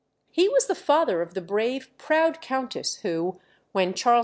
He was the father of the brave, proud Countess, who, when Charles II.